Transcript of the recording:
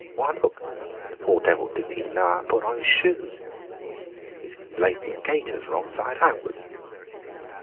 Why look, the poor devil did not even know how to put on his shoes; he has laced his gaiters wrong side outwards."